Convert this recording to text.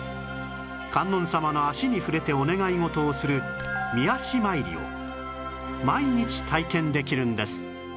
観音様の足に触れてお願い事をする御足参りを毎日体験できるんです